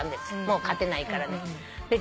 もう勝てないからね。